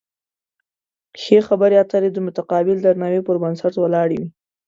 ښې خبرې اترې د متقابل درناوي پر بنسټ ولاړې وي.